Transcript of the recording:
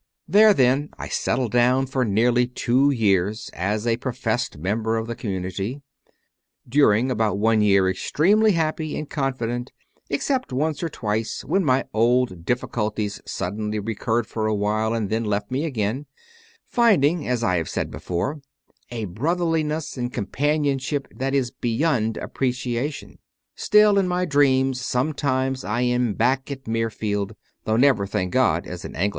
6. There, then, I settled down for nearly two years as a professed member of the community, during about one year extremely happy and con fident except once or twice when my old difficul ties suddenly recurred for a while and then left me again finding, as I have said before, a brother liness and companionship that is beyond apprecia tion. Still, in my dreams sometimes I am back at Mirfield, though never, thank God, as an Anglican!